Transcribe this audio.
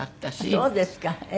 そうですかええ。